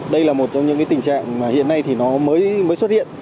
đây là một trong những tình trạng mà hiện nay thì nó mới xuất hiện